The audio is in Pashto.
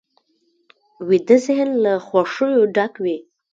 ویده ذهن له خوښیو ډک وي